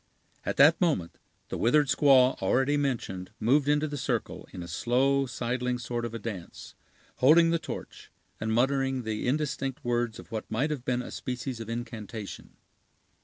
At that moment, the withered squaw already mentioned moved into the circle, in a slow, sidling sort of a dance, holding the torch, and muttering the indistinct words of what might have been a species of incantation.